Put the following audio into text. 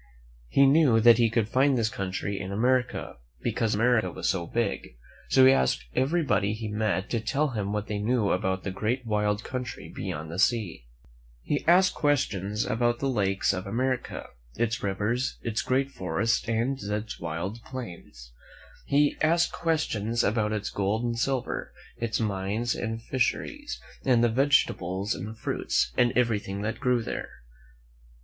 He knew that he could find this country in America, because America was so big; so he asked everybody he met to tell him what they knew about the great wild country beyond the sea. He asked questions about the lakes of America, its rivers, its great forests and its wide plains. He asked questions about its gold and silver, its mines and fisheries, and the vegetables and fruits, and everything that grew there.